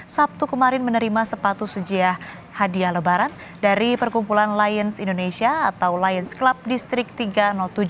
sabtu kemarin menerima sepatu sujia hadiah lebaran dari perkumpulan lions indonesia atau lions club distrik tiga ratus tujuh